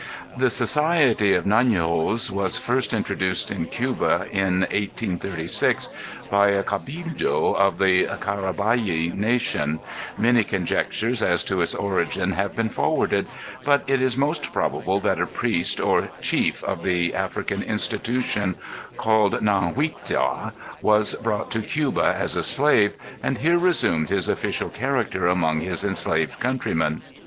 The society of ├æ├Ī├▒igos was first introduced in Cuba in 1836 by a cabildo of the Carabal├Ł nation; many conjectures as to its origin have been put forward, but it is most probable that a priest or Chief of the African institution called ├æanguitua, was brought to Cuba as a slave and here resumed his official character among his enslaved countrymen.